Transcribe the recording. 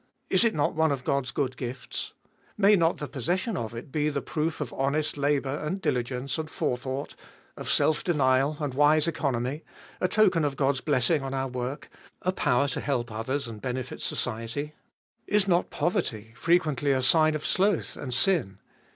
Is it not one of God's good gifts ? May not the possession of it be the proof of honest labour and diligence and forethought, of self denial and wise economy ; a token of God's blessing on our work ; a power to help others and benefit society. Is not poverty frequently a sign of sloth and sin?